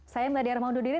saya meladi armaududiri